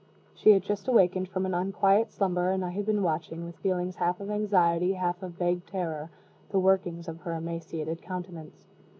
She had just awakened from an unquiet slumber, and I had been watching, with feelings half of anxiety, half of vague terror, the workings of her emaciated countenance.